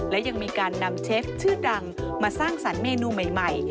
และยังมีการนำเชฟชื่อดังมาสร้างสรรค์เมนูใหม่